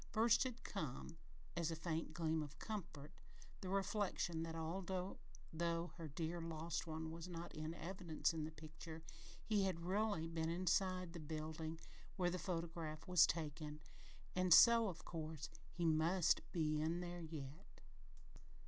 First had come, as a faint gleam of comfort, the reflection that although her dear lost one was not in evidence in the picture, he had really been inside the building when the photograph was taken, and so, of course, he must be in there yet!